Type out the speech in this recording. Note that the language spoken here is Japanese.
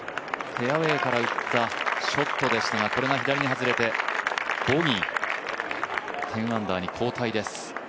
フェアウエーから打ったショットでしたがこれが左に外れてボギー、１０アンダーに後退です。